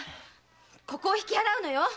ここを引き払うのよ！